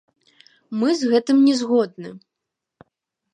Мы з гэтым не згодны.